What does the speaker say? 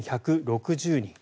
５１６０人。